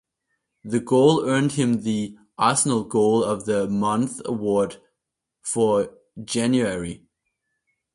The goal earned him the Arsenal Goal of the Month award for January.